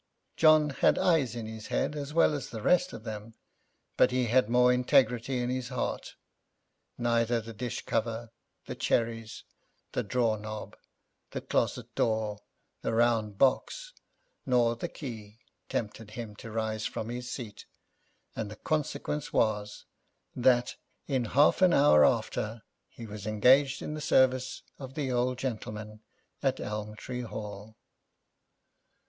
John had eyes in his head as well as the rest of them, but he had more integrity in his heart; neither the dish cover, the cherries, the drawer knob, the closet door, the round box, nor the key temp[Pg 44]ted him to rise from his seat, and the consequence was, that, in half an hour after, he was engaged in the service of the old gentleman at Elm Tree Hall.